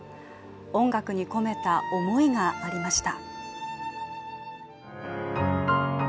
音楽に込めた思いがありました。